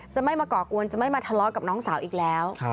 จะไม่มาก่อกวนจะไม่มาทะเลาะกับน้องสาวอีกแล้ว